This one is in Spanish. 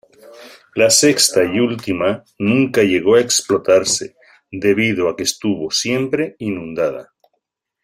La sexta, y última, nunca llegó a explotarse debido a que estuvo siempre inundada.